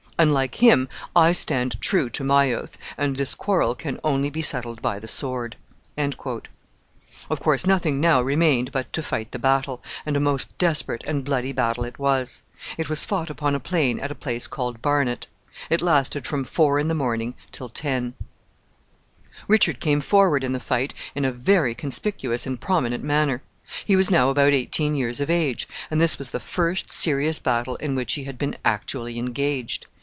Unlike him, I stand true to my oath, and this quarrel can only be settled by the sword." Of course, nothing now remained but to fight the battle, and a most desperate and bloody battle it was. It was fought upon a plain at a place called Barnet. It lasted from four in the morning till ten. [Illustration: DEATH OF WARWICK ON THE FIELD OF BARNET.] Richard came forward in the fight in a very conspicuous and prominent manner. He was now about eighteen years of age, and this was the first serious battle in which he had been actually engaged.